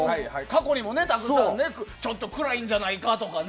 過去にもたくさんねちょっと暗いんじゃないかとか。